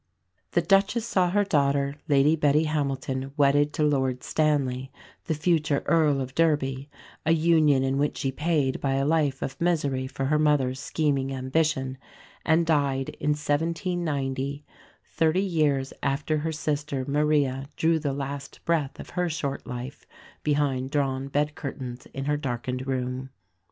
The Duchess saw her daughter, Lady Betty Hamilton, wedded to Lord Stanley, the future Earl of Derby, a union in which she paid by a life of misery for her mother's scheming ambition; and died in 1790, thirty years after her sister Maria drew the last breath of her short life behind drawn bed curtains in her darkened room.